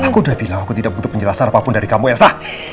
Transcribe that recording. aku udah bilang aku tidak butuh penjelasan apapun dari kamu yang sah